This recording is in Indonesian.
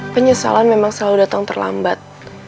penyesalan memang selalu datang terlambat